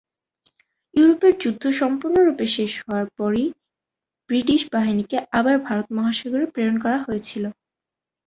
ইউরোপের যুদ্ধ সম্পূর্ণরূপে শেষ হওয়ার পরেই ব্রিটিশ বাহিনীকে আবার ভারত মহাসাগরে প্রেরণ করা হয়েছিল।